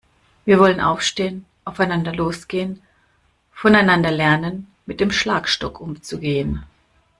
Wir wollen aufstehen, aufeinander losgehen, voneinander lernen, mit dem Schlagstock umzugehen.